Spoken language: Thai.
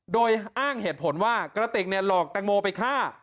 โดยอ้างเหตุผลว่ากระติกหลอกแตงโมไปฆ่า